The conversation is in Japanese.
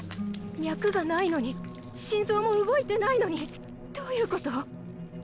脈が無いのに心臓も動いてないのにどういうこと？